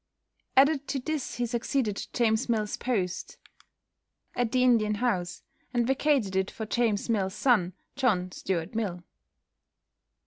Added to this he succeeded to James Mill's post at the India House, and vacated it for James Mill's son, John Stuart Mill.